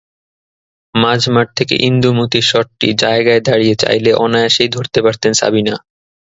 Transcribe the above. মাঝমাঠ থেকে ইন্দুমতীর শটটি জায়গায় দাঁড়িয়ে চাইলে অনায়াসেই ধরতে পারতেন সাবিনা।